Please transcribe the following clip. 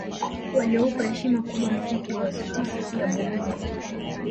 Walioupa heshima kubwa mziki wa sukusi pia bolingo